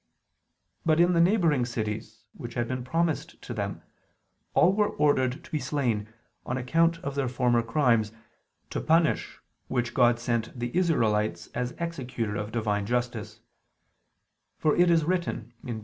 But in the neighboring cities which had been promised to them, all were ordered to be slain, on account of their former crimes, to punish which God sent the Israelites as executor of Divine justice: for it is written (Deut.